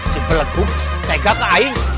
sip berlegung tegak ke aing